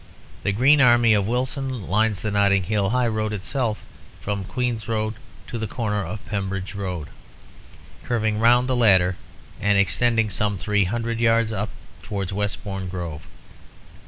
The Green army of Wilson lines the Notting Hill High Road itself from Queen's Road to the corner of Pembridge Road, curving round the latter, and extending some three hundred yards up towards Westbourne Grove.